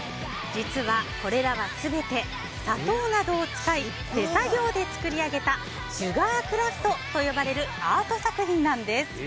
実は、これらは全て砂糖などを使い手作業で作り上げたシュガークラフトと呼ばれるアート作品なんです。